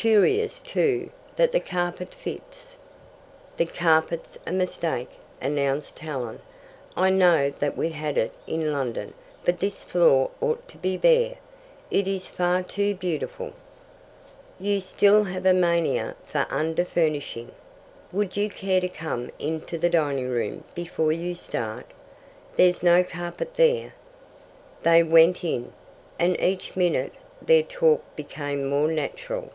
"Curious, too, that the carpet fits." "The carpet's a mistake," announced Helen. "I know that we had it in London, but this floor ought to be bare. It is far too beautiful." "You still have a mania for under furnishing. Would you care to come into the dining room before you start? There's no carpet there. They went in, and each minute their talk became more natural.